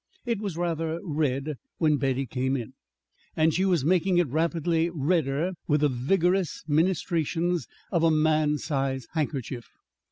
It was rather red when Betty came in, and she was making it rapidly redder with the vigorous ministrations of a man's size handkerchief.